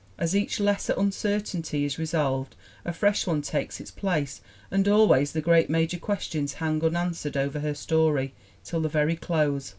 As each lesser uncertainty is resolved a fresh one takes its place and always the great major questions hang unanswered over her story till the very close.